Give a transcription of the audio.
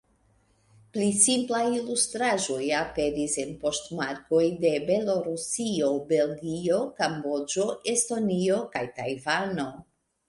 Pli simplaj ilustraĵoj aperis en poŝtmarkoj de Belorusio, Belgio, Kamboĝo, Estonio kaj Tajvano.